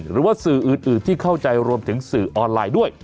หรือว่าสื่ออื่นที่เข้าใจรวมถึงสื่อออนไลน์ด้วย